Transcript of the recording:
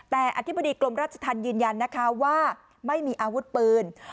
แต่อธิบดีกรมราชธรรมยืนยันนะคะว่าไม่มีอาวุธปืน